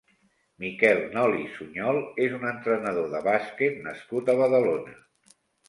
Miquel Nolis Suñol és un entrenador de bàsquet nascut a Badalona.